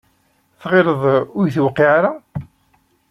Tɣilleḍ ur yi-tewqiɛ ara?